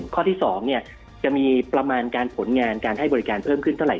ข้อที่๒จะมีประมาณการผลงานการให้บริการเพิ่มขึ้นเท่าไ